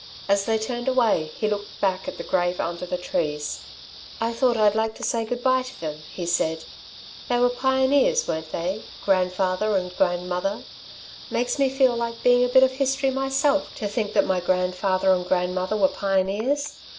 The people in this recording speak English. As they turned away he looked back at the grave under the trees. "I thought I'd like to say good bye to them," he said. "They were pioneers, weren't they, grandfather and grandmother? Makes me feel like being a bit of history myself, to think that my grandfather and grandmother were pioneers.